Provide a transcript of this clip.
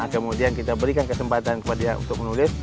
kemudian kita berikan kesempatan kepada dia untuk menulis